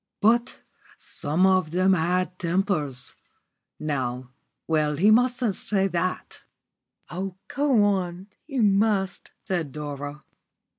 But some of them had tempers. Now well, he mustn't say that. "Oh, go on, you must," said Dora.